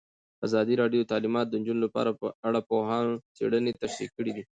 ازادي راډیو د تعلیمات د نجونو لپاره په اړه د پوهانو څېړنې تشریح کړې.